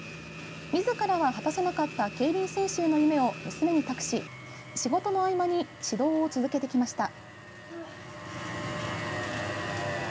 自らは果たせなかった競輪選手への夢を娘に託し仕事の合間に指導を続けてきました。